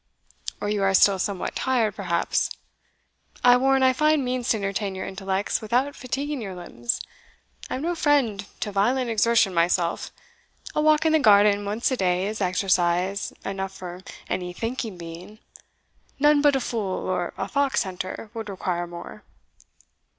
Or you are still somewhat tired, perhaps; I warrant I find means to entertain your intellects without fatiguing your limbs I am no friend to violent exertion myself a walk in the garden once a day is exercise, enough for any thinking being none but a fool or a fox hunter would require more.